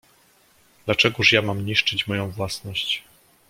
"Dlaczegóż ja mam niszczyć moją własność."